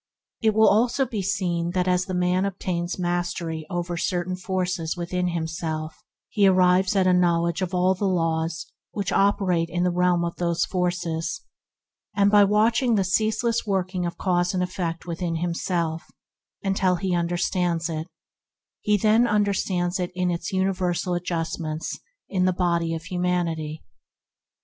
It will also be seen that as the man obtains mastery over certain forces within himself, he arrives at a knowl edge of all the laws operating in the realm of those forces, and by watching the ceaseless working of cause and effect within himself until he understands them, he there upon understands them in their universal ad justments in the body of humanity.